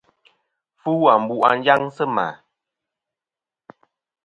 Fu ambu' à njaŋ sɨ mà.